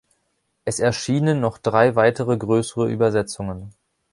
Es erschienen noch drei weitere größere Übersetzungen.